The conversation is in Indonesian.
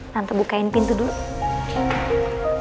tante bukain pintu dulu